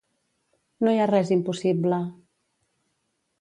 No hi ha res impossible.